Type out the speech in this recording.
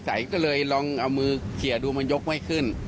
ใสก็เลยลองเอามือเขียดูมันยกไม่ขึ้น